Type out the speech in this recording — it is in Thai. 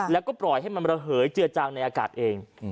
แล้วก็ปล่อยให้มันระเหยเจือจางในอากาศเอง